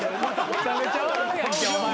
めちゃめちゃ笑うやんけお前。